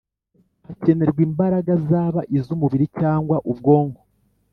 hakenerwa imbaraga Zaba iz’umubiri cyangwa ubwonko